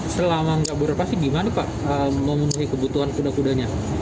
selama nggak beroperasi gimana pak memenuhi kebutuhan kuda kudanya